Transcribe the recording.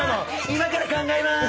今から考えまーす！